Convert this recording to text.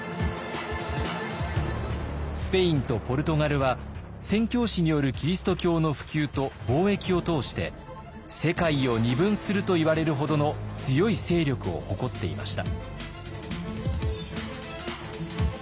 スペインとポルトガルは宣教師によるキリスト教の普及と貿易を通して世界を二分するといわれるほどの強い勢力を誇っていました。